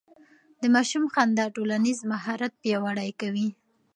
د ماشوم خندا ټولنيز مهارت پياوړی کوي.